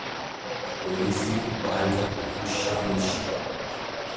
Ba polisi baanza fukusha mwishi